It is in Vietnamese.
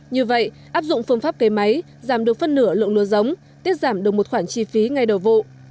như vậy áp dụng phương pháp cấy máy giảm được phân nửa lượng lúa giống tiết giảm được một khoản chi phí ngay đầu vụ